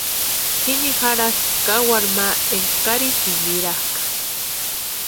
Jini jarhasti kawaru ma énka karichiicha nirakʼa.